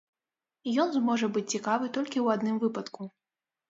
Ён зможа быць цікавы толькі ў адным выпадку.